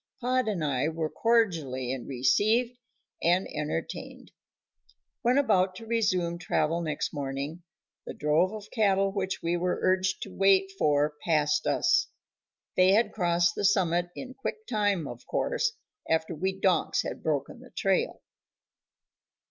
Pod and I were cordially received and entertained. When about to resume travel next morning the drove of cattle which we were urged to wait for passed us. They had crossed the summit in quick time, of course, after we donks had broken the trail.